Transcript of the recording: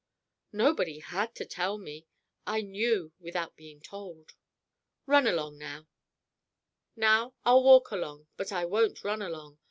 "Nobody had to tell me! I knew without being told." "Run along now." "Now I'll walk along, but I won't run along.